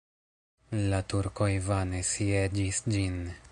La turkoj vane sieĝis ĝin.